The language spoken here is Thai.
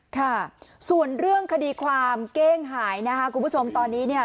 ค่ะส่วนเรื่องคดีความเก้งหายนะคะคุณผู้ชมตอนนี้เนี่ย